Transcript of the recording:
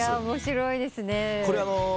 面白いですね。